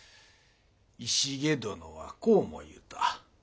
石毛殿はこうも言うた。